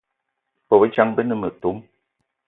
Bôbejang be ne metom